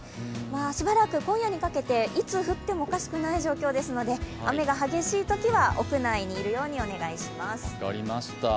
しばらく今夜にかけて、いつ降ってもおかしくない状況ですので、雨が激しいときは屋内にいるようにお願いします。